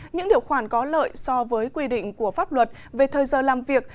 những điều khoản có lợi so với quy định của pháp luật về thời giờ làm việc